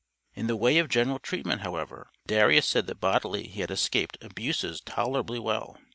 In the way of general treatment, however, Darius said that bodily he had escaped "abuses tolerably well."